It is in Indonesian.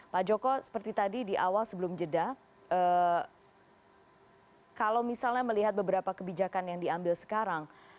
pak joko seperti tadi di awal sebelum jeda kalau misalnya melihat beberapa kebijakan yang diambil sekarang